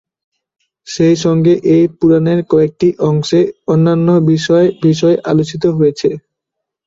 সেই সঙ্গে এই পুরাণের কয়েকটি অংশে অন্যান্য বিভিন্ন বিষয় আলোচিত হয়েছে।